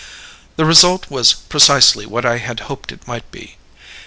"The result was precisely what I had hoped it might be.